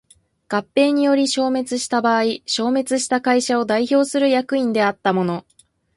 合併により消滅した場合消滅した会社を代表する役員であった者